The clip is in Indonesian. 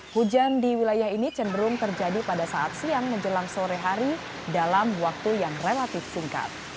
hujan di wilayah ini cenderung terjadi pada saat siang menjelang sore hari dalam waktu yang relatif singkat